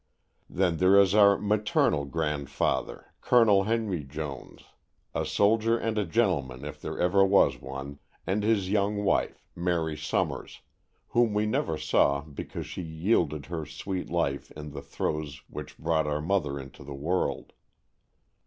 Then there is our maternal grandfather, Colonel Henry Jones, a soldier and a gentleman if there ever was one, and his young wife, Mary Summers, whom we never saw because she yielded her sweet life in the throes which brought our mother into the world.